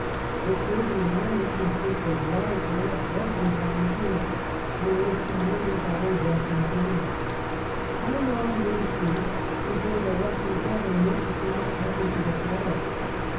The Servian army consisted largely of Russian volunteers and was commanded by a Russian General. How long would it be before the Russian Government became a party to the quarrel